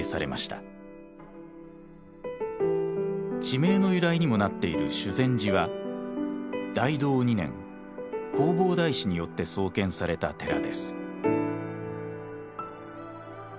地名の由来にもなっている修禅寺は大同２年弘法大師によって創建された寺です。